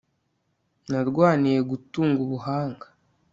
narwaniye gutunga ubuhanga